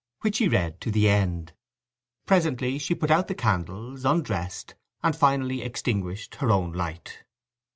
which she read to the end. Presently she put out the candles, undressed, and finally extinguished her own light.